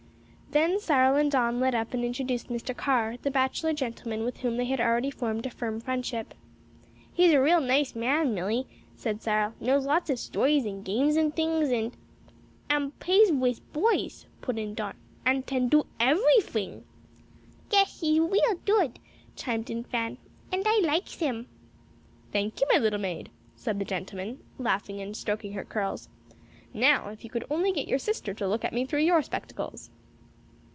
Then Cyril and Don led up and introduced Mr. Carr, the bachelor gentleman with whom they had already formed a firm friendship. "He's a real nice man, Milly," said Cyril; "knows lots of stories and games and things, and " "An' p'ays wis boys," put in Don, "and tan do every fing." "Yes, he's weal dood," chimed in Fan, "and I likes him." "Thank you, my little maid," said the gentleman, laughing and stroking her curls. "Now if you could only get your sister to look at me through your spectacles."